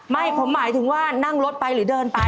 ไม่ผมหมายถึงว่านั่งรถไปหรือเดินไป